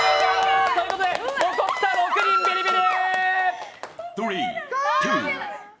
残った６人ビリビリ。